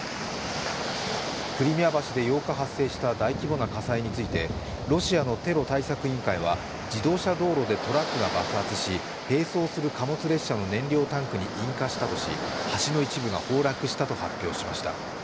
クリミア橋で８日発生した大規模な火災についてロシアのテロ対策委員会は自動車道路でトラックが爆発し、並走する貨物列車の燃料タンクに引火したとし橋の一部が崩落したと発表しました。